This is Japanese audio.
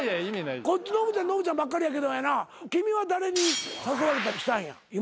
こっち信ちゃん信ちゃんばっかりやけどやな君は誰に誘われたりしたんや今まで。